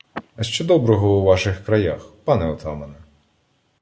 — А що доброго у ваших краях, пане отамане?